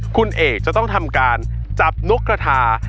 คุณเอกจะต้องทำการจับนกกระทา